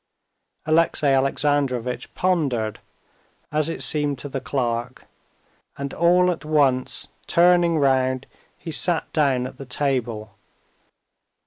Alexey Alexandrovitch pondered, as it seemed to the clerk, and all at once, turning round, he sat down at the table.